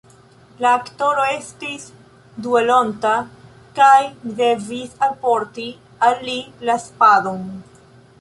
La aktoro estis duelonta, kaj mi devis alporti al li la spadon.